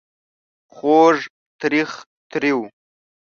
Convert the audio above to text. خوږ .. تریخ ... تریو ...